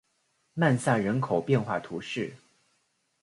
曼萨人口变化图示